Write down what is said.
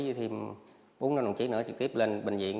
với thêm bốn năm đồng chí nữa trực tiếp lên bệnh viện